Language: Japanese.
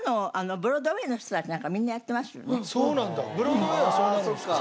ブロードウェイはそうなるんですか？